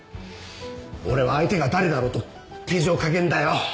俺は相手が誰だろうと手錠掛けんだよ！